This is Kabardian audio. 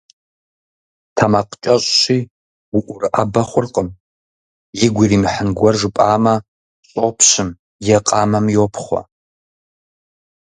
Тэмакъкӏэщӏщи уӏурыӏэбэ хъуркъым. Игу иримыхьын гуэр жыпӏамэ, щӏопщым е къамэм йопхъуэ.